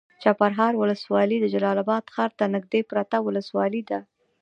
چپرهار ولسوالي د جلال اباد ښار ته نږدې پرته ولسوالي ده.